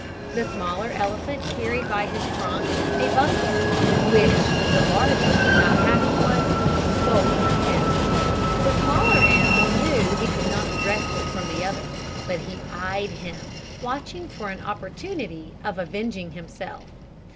The smaller elephant carried by his trunk a bucket, which the larger, not having one, stole from him. The smaller animal knew that he could not wrest it from the other, but he eyed him, watching for an opportunity of avenging himself.